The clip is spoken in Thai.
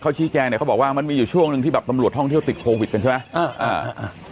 เขาชี้แจงเนี่ยเขาบอกว่ามันมีอยู่ช่วงหนึ่งที่แบบตำรวจท่องเที่ยวติดโควิดกันใช่ไหมอ่าอ่า